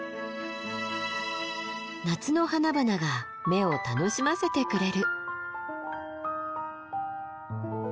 夏の花々が目を楽しませてくれる。